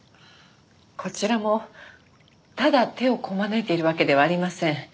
こちらもただ手をこまねいているわけではありません。